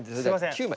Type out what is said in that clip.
９枚。